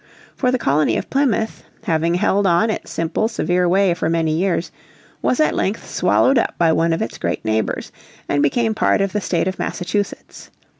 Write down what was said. For the Colony of Plymouth, having held on its simple, severe way for many years, was at length swallowed up by one of its great neighbours, and became part of the State of Massachusetts.